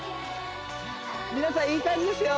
皆さんいい感じですよ